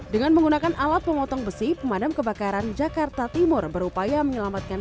dengan menggunakan alat pemotong besi pemadam kebakaran jakarta timur berupaya menyelamatkan